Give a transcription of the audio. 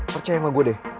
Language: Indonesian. percaya sama gue deh